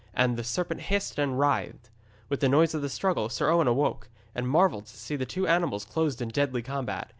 And the serpent hissed and writhed. With the noise of the struggle Sir Owen awoke, and marvelled to see the two animals closed in deadly combat.